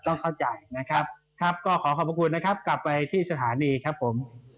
ต้องเข้าใจนะครับครับก็ขอขอบพระคุณนะครับกลับไปที่สถานีครับผม